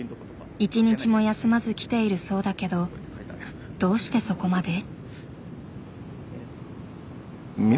一日も休まず来ているそうだけどどうしてそこまで？